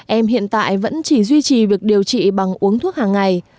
em hiện tại vẫn chỉ duy trì việc điều trị bằng uống thuốc hàng ngày